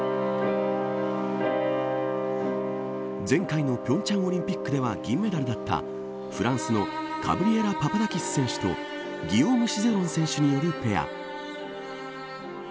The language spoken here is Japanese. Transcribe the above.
前回の平昌オリンピックでは銀メダルだったフランスのガブリエラ・パパダキス選手とギヨーム・シゼロン選手によるペア。